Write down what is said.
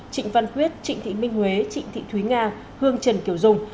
trịnh văn quyết trịnh thị minh huế trịnh thị thúy nga hương trần kiều dung